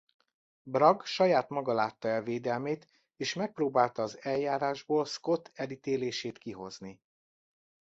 Bragg saját maga látta el védelmét és megpróbálta az eljárásból Scott elítélését kihozni.